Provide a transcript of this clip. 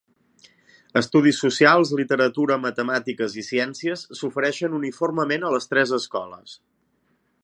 Estudis Socials, Literatura, Matemàtiques i Ciències s'ofereixen uniformement a les tres escoles.